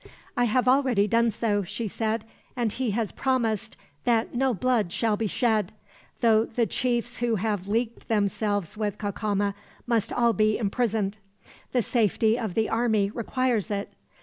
"I have already done so," she said; "and he has promised that no blood shall be shed, though the chiefs who have leagued themselves with Cacama must all be imprisoned. The safety of the army requires it.